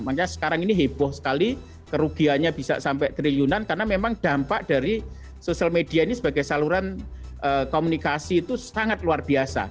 makanya sekarang ini heboh sekali kerugiannya bisa sampai triliunan karena memang dampak dari sosial media ini sebagai saluran komunikasi itu sangat luar biasa